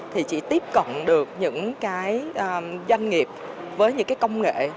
thì chỉ tiếp cận được những doanh nghiệp với những công nghệ